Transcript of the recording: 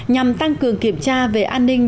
nhằm tăng cường kiểm tra về an ninh